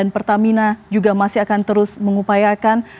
pertamina juga masih akan terus mengupayakan